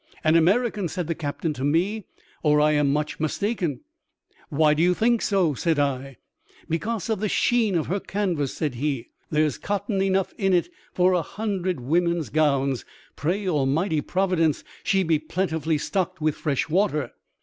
"An American," said the captain to me, "or I am much mistaken." "Why do you think so ?" said L "Because of the sheen of her canvas," said he; "there's cotton enough in it for a hundred women's gowns. Pray Almighty Providence she be plentifully stocked with fresh water."